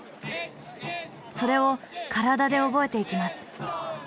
それを体で覚えていきます。